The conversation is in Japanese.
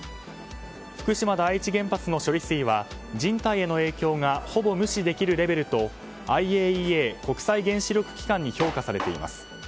福島第一原発の処理水は人体への影響がほぼ無視できるレベルとＩＡＥＡ・国際原子力機関に評価されています。